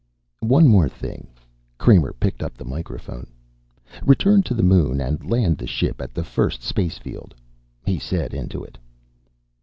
"One more thing." Kramer picked up the microphone. "Return to the moon and land the ship at the first space field," he said into it.